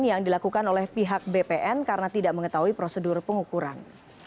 yang dilakukan oleh pihak bpn karena tidak mengetahui prosedur pengukuran